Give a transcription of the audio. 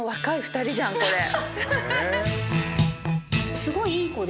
すごいいい子で。